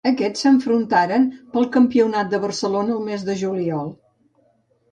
Aquests s'enfrontaren pel campionat de Barcelona el mes de juliol.